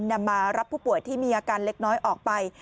นำมารับผู้ป่วยที่มีอาการเล็กน้อยออกไป